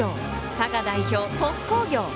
佐賀代表・鳥栖工業。